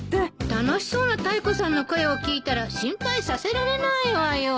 楽しそうなタイコさんの声を聞いたら心配させられないわよ。